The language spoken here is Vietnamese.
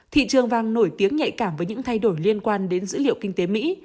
thị trường vàng nổi tiếng nhạy cảm với những thay đổi liên quan đến dữ liệu kinh tế mỹ